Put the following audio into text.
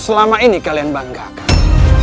selama ini kalian banggakan